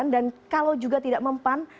dan kalau juga tidak mempan